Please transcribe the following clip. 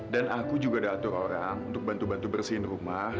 dan aku juga ada atur orang untuk bantu bantu bersihin rumah